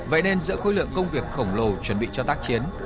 vậy nên giữa khối lượng công việc khổng lồ chuẩn bị cho tác chiến